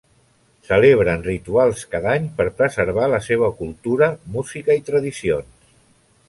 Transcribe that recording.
Celebren rituals cada any per preservar la seva cultura, música i tradicions.